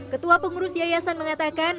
ketua pengurus yayasan mengatakan